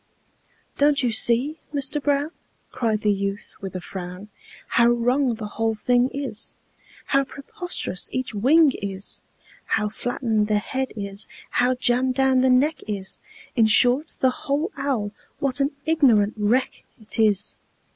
"Don't you see, Mister Brown," Cried the youth, with a frown, "How wrong the whole thing is, How preposterous each wing is, How flattened the head is, how jammed down the neck is In short, the whole owl, what an ignorant wreck 't is!